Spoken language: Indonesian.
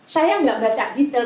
saya gak baca detail